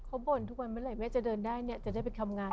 เขาบ่นทุกวันเมื่อไหร่แม่จะเดินได้เนี่ยจะได้ไปทำงาน